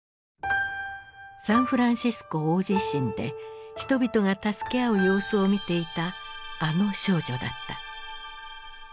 サンフランシスコ大地震で人々が助け合う様子を見ていたあの少女だった。